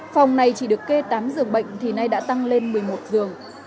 phòng này chỉ được kê tám dường bệnh thì nay đã tăng lên một mươi một giường